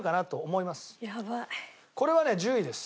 これはね１０位です。